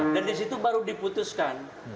dan di situ baru diputuskan